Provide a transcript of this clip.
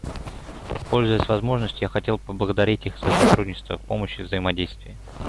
Пользуясь возможностью, я хотел бы поблагодарить их за сотрудничество, помощь и взаимодействие.